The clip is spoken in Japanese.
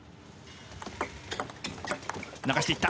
流していった。